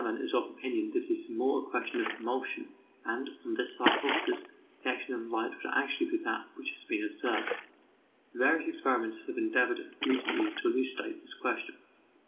Tamman is of opinion that it is more a question of an emulsion, and, on this hypothesis, the action on light would actually be that which has been observed. Various experimenters have endeavoured of recent years to elucidate this question.